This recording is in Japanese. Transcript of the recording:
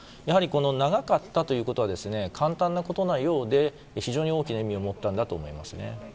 長かったということは簡単なことのようで非常に大きな意味を持ったんだと思いますね。